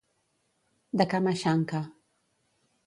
De cama xanca.